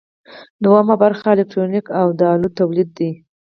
دوهم برخه الکترونیک او د الو تولید دی.